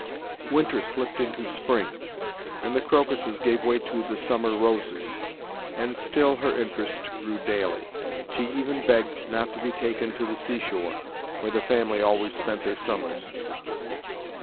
Winter slipped into spring, and the crocuses gave way to the summer roses, and still her interest grew daily. She even begged not to be taken to the seashore, where the family always spent their summers.